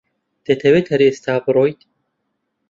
دەتەوێت هەر ئێستا بڕۆیت؟